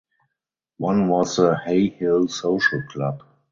One was the "Hay Hill Social Club".